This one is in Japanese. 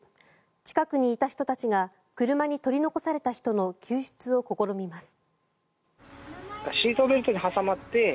近くにいた人たちが車に取り残された人の救出を試みます。